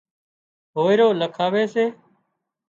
هوئيرو لکاوي سي